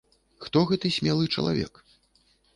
Хто гэты смелы чалавек?